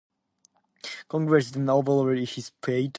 Congress then overrode his veto.